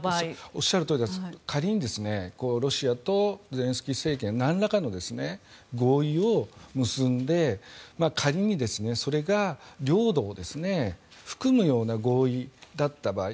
おっしゃるとおり仮にロシアとゼレンスキー政権が何らかの合意を結んで仮に、それが領土を含むような合意だった場合。